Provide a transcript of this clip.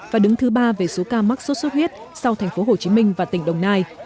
và đứng thứ ba về số ca mắc sốt xuất huyết sau thành phố hồ chí minh và tỉnh đồng nai